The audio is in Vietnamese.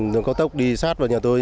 đường cao tốc đi sát vào nhà tôi